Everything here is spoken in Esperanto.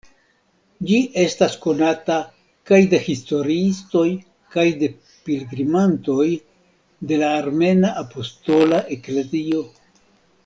Ĝi estas konata kaj de historiistoj kaj de pilgrimantoj de la Armena Apostola Eklezio.